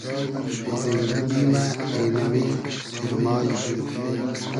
زیندئگی مۂ اېنۂ می تیرمای دیل